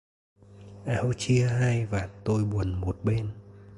Áo chia hai vạt tôi buồn một bên!